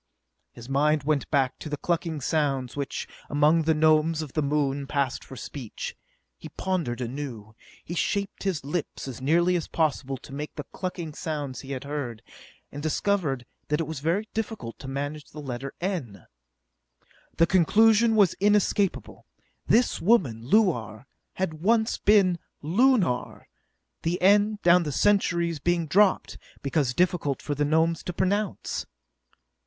His mind went back to the clucking sounds which, among the Gnomes of the Moon, passed for speech. He pondered anew. He shaped his lips, as nearly as possible, to make the clucking sounds he had heard, and discovered that it was very difficult to manage the letter n! The conclusion was inescapable: This woman, Luar, had once been Lunar, the n, down the centuries, being dropped because difficult for the Gnomes to pronounce.